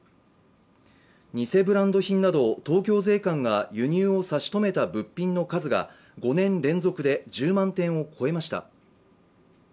偽ブランド品など東京税関が輸入を差し止めた物品の数が５年連続で１０万点を超えました。